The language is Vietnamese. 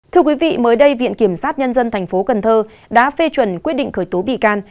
thưa quý vị mới đây viện kiểm sát nhân dân tp cần thơ đã phê chuẩn quyết định khởi tố bị can